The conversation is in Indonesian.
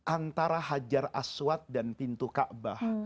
antara hajar aswad dan pintu kaabah